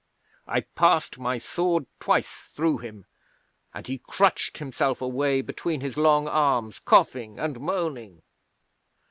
I passed my sword twice through him, and he crutched himself away between his long arms, coughing and moaning.